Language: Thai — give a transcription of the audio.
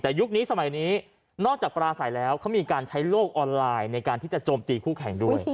แต่ยุคนี้สมัยนี้นอกจากปราศัยแล้วเขามีการใช้โลกออนไลน์ในการที่จะโจมตีคู่แข่งด้วย